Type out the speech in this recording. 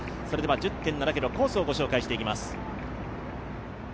１０．７ｋｍ、コースをご紹介していきます。